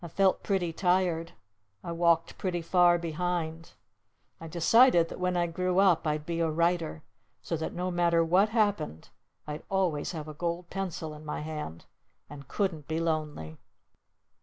I felt pretty tired. I walked pretty far behind. I decided that when I grew up I'd be a Writer! So that no matter what happened I'd always have a gold pencil in my hand and couldn't be lonely!